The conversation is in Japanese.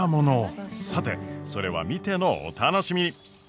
さてそれは見てのお楽しみ。